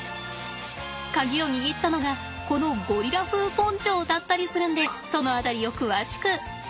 鍵を握ったのがこのゴリラ風ポンチョだったりするんでその辺りを詳しく。